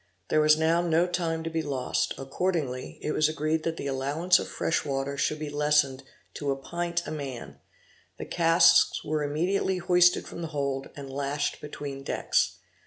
There was now no time to be lost; accordingly it was agreed that the allowance of fresh water should be lessened to a pint a man; the casks were immediately hoisted from the hold, and lashed between decks.